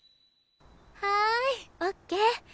はいオッケー。